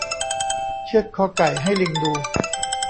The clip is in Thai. เชือดคอไก่ให้ลิงดู